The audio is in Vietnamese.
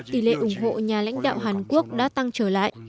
tỷ lệ ủng hộ nhà lãnh đạo hàn quốc đã tăng trở lại